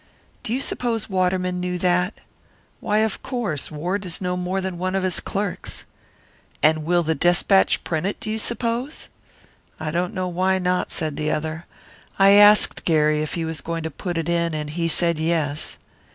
"Do you suppose Waterman knew that?" "Why, of course; Ward is no more than one of his clerks." "And will the Despatch print it, do you suppose?" "I don't know why not," said the other. "I asked Gary if he was going to put it in, and he said 'Yes.'